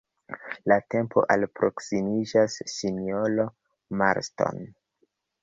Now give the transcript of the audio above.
La tempo alproksimiĝas, sinjoro Marston.